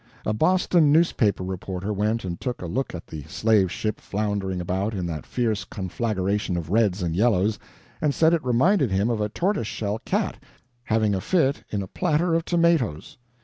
A Boston newspaper reporter went and took a look at the Slave Ship floundering about in that fierce conflagration of reds and yellows, and said it reminded him of a tortoise shell cat having a fit in a platter of tomatoes.